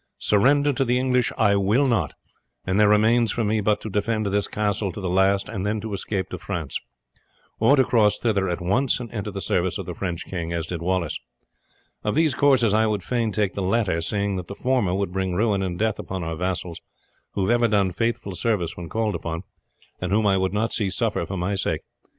Surrender to the English I will not, and there remains for me but to defend this castle to the last, and then to escape to France; or to cross thither at once, and enter the service of the French king, as did Wallace. Of these courses I would fain take the latter, seeing that the former would bring ruin and death upon our vassals, who have ever done faithful service when called upon, and whom I would not see suffer for my sake.